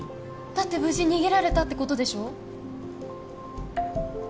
だって無事逃げられたってことでしょ？